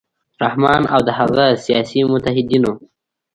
رحمان او د هغه سیاسي متحدینو